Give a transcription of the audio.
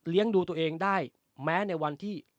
ดูตัวเองได้แม้ในวันที่